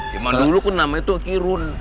zaman dulu kan namanya tuh kirun